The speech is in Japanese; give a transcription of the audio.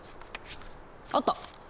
あった！